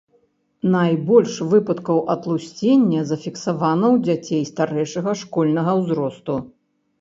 Найбольш выпадкаў атлусцення зафіксавана ў дзяцей старэйшага школьнага ўзросту.